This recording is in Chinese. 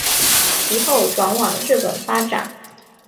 其后转往日本发展。